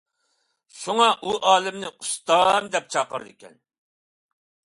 شۇڭا، ئۇ ئالىمنى‹‹ ئۇستام›› دەپ چاقىرىدىكەن.